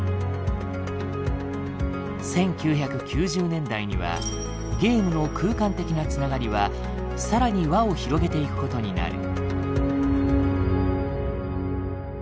１９９０年代にはゲームの空間的な繋がりは更に輪を広げていくことになる。